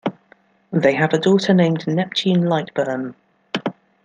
They have a daughter named Neptune Lightburn.